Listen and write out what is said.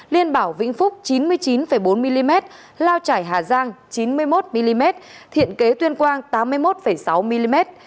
liên bảo vĩnh phúc chín mươi chín bốn mm lao trải hà giang chín mươi một mm thiện kế tuyên quang tám mươi một sáu mm